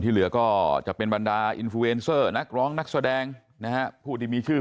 ที่เหลือก็จะเป็นบรรดานักร้องนักแสดงนะพูดที่มีชื่อ